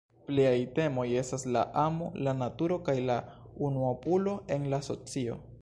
Pliaj temoj estas la amo, la naturo kaj la unuopulo en la socio.